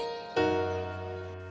teriakannya tidak dihiraukan oleh putri